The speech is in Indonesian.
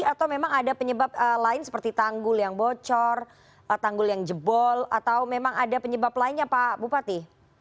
atau memang ada penyebab lain seperti tanggul yang bocor tanggul yang jebol atau memang ada penyebab lainnya pak bupati